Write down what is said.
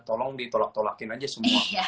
tolong ditolak tolakin aja semua